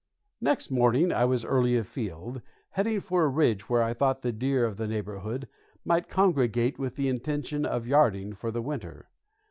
Next morning I was early afield, heading for a ridge where I thought the deer of the neighborhood might congregate with the intention of yarding for the winter.